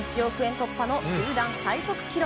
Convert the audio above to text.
突破の球団最速記録。